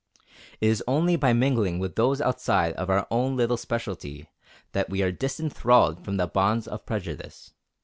It is only by mingling with those outside of our own little specialty that we are disenthralled from the bonds of prejudice.